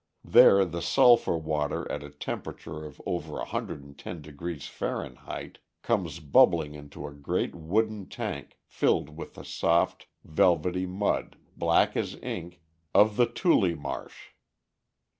There the sulphur water at a temperature of over 110° Fahrenheit comes bubbling into a great wooden tank filled with the soft, velvety mud, black as ink, of the tule marsh.